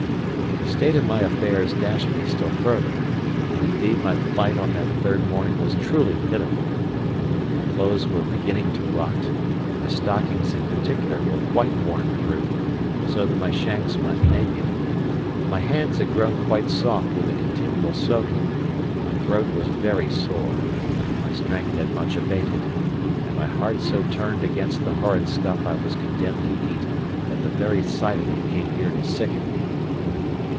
This state of my affairs dashed me still further; and, indeed my plight on that third morning was truly pitiful. My clothes were beginning to rot; my stockings in particular were quite worn through, so that my shanks went naked; my hands had grown quite soft with the continual soaking; my throat was very sore, my strength had much abated, and my heart so turned against the horrid stuff I was condemned to eat, that the very sight of it came near to sicken me.